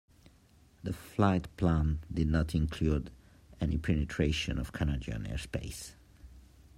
The flight plan did not include any penetration of Canadian airspace.